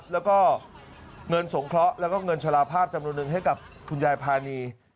แล้วก็เงินสงเคราะห์แล้วก็เงินชะลาภาพจำนวนหนึ่งให้กับคุณยายพานี